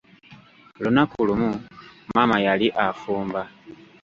Lunaku lumu, maama yali afumba.